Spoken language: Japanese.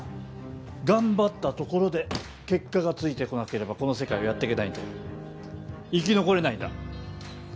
頑張ったところで結果がついてこなければこの世界はやっていけないんだよ生き残れないんだ